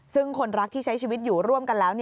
ซึ่งคนรักที่ใช้ชีวิตอยู่ร่วมกันแล้ว